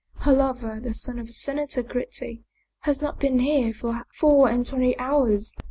Her lover, the son of Senator Gritti, has not been here for four and twenty hours.